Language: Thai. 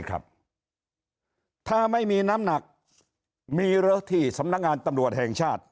ถ้าไม่มีน้ำหนักมีเยอะที่สำนักงานตำรวจแห่งชาติ